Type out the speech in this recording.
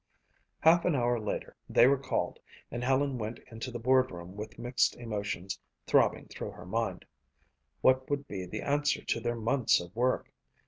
Half an hour later they were called and Helen went into the board room with mixed emotions throbbing through her mind. What would be the answer to their months of work?